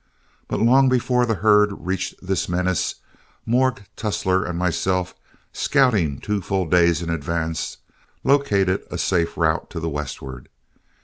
But long before the herd reached this menace, Morg Tussler and myself, scouting two full days in advance, located a safe route to the westward.